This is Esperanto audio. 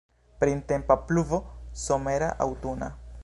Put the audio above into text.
Printempa pluvo, somera, aŭtuna!